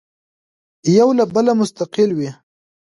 یو له بله مستقل وي.